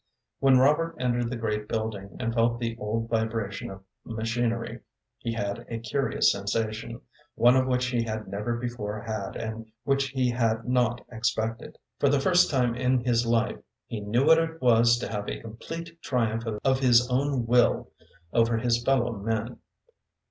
When Robert entered the great building, and felt the old vibration of machinery, he had a curious sensation, one which he had never before had and which he had not expected. For the first time in his life he knew what it was to have a complete triumph of his own will over his fellow men.